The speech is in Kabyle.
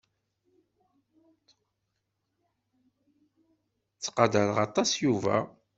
Ttqadareɣ aṭas Yuba.